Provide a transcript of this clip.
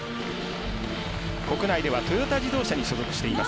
国内ではトヨタ自動車に所属しています。